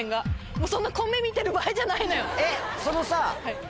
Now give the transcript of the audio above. もうそんな米見てる場合じゃないのよ。